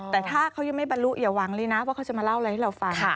แต่ถ้าเขายังไม่บรรลุอย่าหวังเลยนะว่าเขาจะมาเล่าอะไรให้เราฟัง